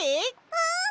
うん！